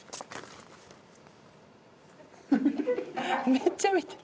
めっちゃ見てる。